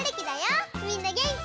みんなげんき？